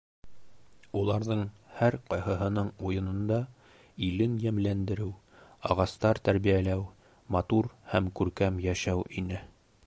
Уларҙың һәр ҡайһыһының уйында илен йәмләндереү, ағастар тәрбиәләү, матур һәм күркәм йәшәү ине.